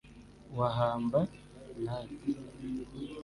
Wahamba Nathi